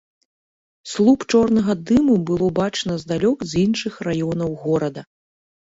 Слуп чорнага дыму было бачна здалёк, з іншых раёнаў горада.